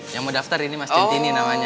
yang mau daftar ini mas tintini namanya